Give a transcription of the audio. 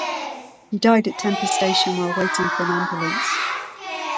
He died at Tempe station while waiting for an ambulance.